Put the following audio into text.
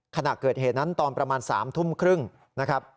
ขณะเกิดเหตุนั้นตอนประมาณ๓ทุ่มครึ่งนะครับ